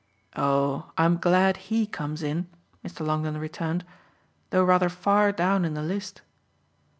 "Oh I'm glad HE comes in," Mr. Longdon returned, "though rather far down in the list."